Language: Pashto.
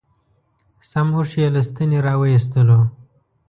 سم اوښ یې له ستنې را و ایستلو.